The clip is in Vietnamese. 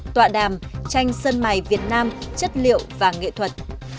tọa đàm tranh sân mài việt nam chất liệu và nghệ thuật